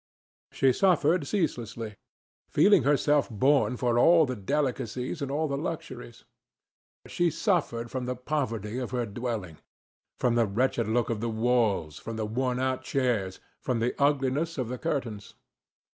She suffered ceaselessly, feeling herself born for all the delicacies and all the luxuries. She suffered from the poverty of her dwelling, from the wretched look of the walls, from the worn out chairs, from the ugliness of the curtains.